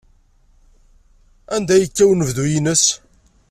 Anda ay yekka anebdu-nnes?